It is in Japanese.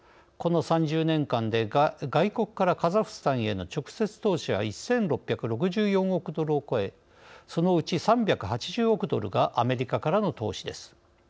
この３０年間で外国からカザフスタンへの直接投資は１６６４億ドルを超えそのうち３８０億ドルがアメリカからの投資です。